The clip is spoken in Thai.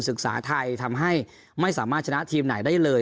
ศึกษาไทยทำให้ไม่สามารถชนะทีมไหนได้เลย